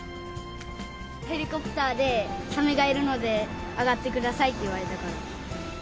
ヘリコプターで、サメがいるので、上がってくださいって言われたから。